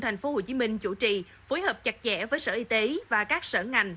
tp hcm chủ trì phối hợp chặt chẽ với sở y tế và các sở ngành